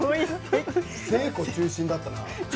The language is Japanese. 誠子中心だったな。